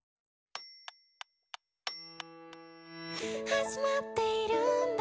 「始まっているんだ